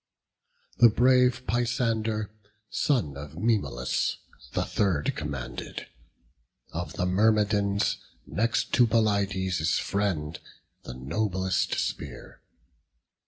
The brave Peisander, son of Maemalus, The third commanded; of the Myrmidons, Next to Pelides' friend, the noblest spear.